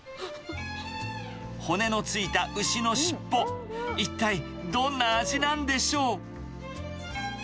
骨のついた牛の尻尾、一体どんな味なんでしょう。